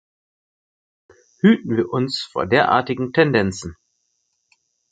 Hüten wir uns vor derartigen Tendenzen.